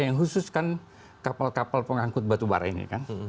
yang khusus kan kapal kapal pengangkut batubara ini